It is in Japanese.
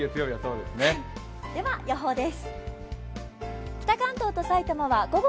では予報です。